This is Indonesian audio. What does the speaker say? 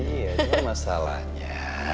iya cuma masalahnya